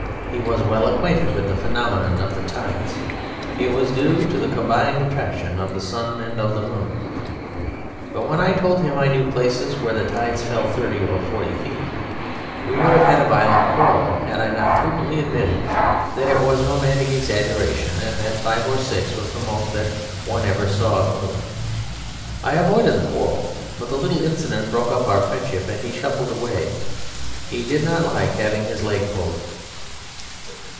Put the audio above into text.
He was well acquainted with the Phenomenon of the Tides; it was due to the combined attraction of the sun and of the moon. But when I told him I knew places where the tides fell thirty or forty feet, we would have had a violent quarrel had I not prudently admitted that that was romantic exaggeration, and that five or six was the most that one ever saw it move. I avoided the quarrel, but the little incident broke up our friendship, and he shuffled away. He did not like having his leg pulled.